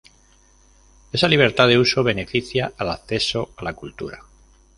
Esa libertad de uso beneficia al acceso a la cultura